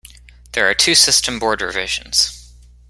There are two system board revisions.